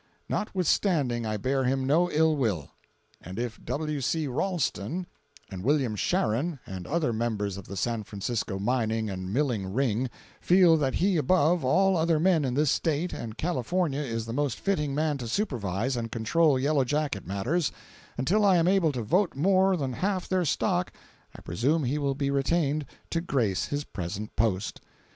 Notwithstanding I bear him no ill will; and if W. C. Ralston and William Sharon, and other members of the San Francisco mining and milling Ring feel that he above all other men in this State and California is the most fitting man to supervise and control Yellow Jacket matters, until I am able to vote more than half their stock I presume he will be retained to grace his present post.